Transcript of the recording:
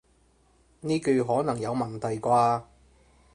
呢句可能有問題啩